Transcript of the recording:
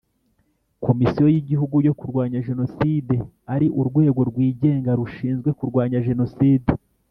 Komisiyo y igihugu yo kurwanya jenoside ari urwego rwigenga rushinzwe kurwanya jenoside